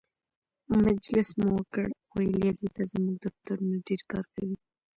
مجلس مو وکړ، ویل یې دلته زموږ دفترونه ډېر کار کوي.